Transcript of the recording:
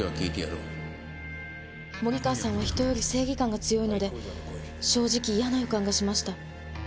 森川さんは人より正義感が強いので正直嫌な予感がしました。